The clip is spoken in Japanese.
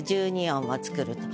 １２音を作ると。